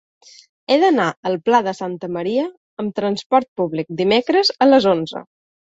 He d'anar al Pla de Santa Maria amb trasport públic dimecres a les onze.